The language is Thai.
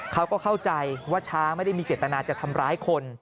เขาก็เข้าใจว่าช้างไม่ได้มีเจตนาจะทำร้ายคน